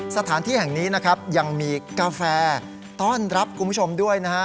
สถานที่แห่งนี้นะครับยังมีกาแฟต้อนรับคุณผู้ชมด้วยนะฮะ